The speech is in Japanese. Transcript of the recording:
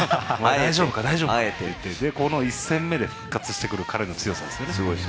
大丈夫か？っていってこの１戦目で復活してくる彼の強さですよね。